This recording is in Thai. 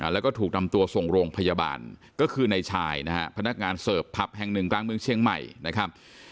แล้วก็ถูกนำตัวส่งโรงพยาบาลก็คือในชายนะฮะพนักงานเสิร์ฟผับแห่งหนึ่งกลางเมืองเชียงใหม่นะครับ